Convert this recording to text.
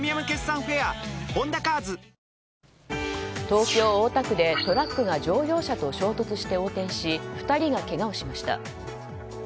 東京・大田区でトラックが乗用車と衝突して横転し２人がけがをしました。